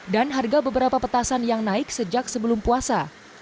dan harga beberapa petasan yang naik sejak sebelum puasa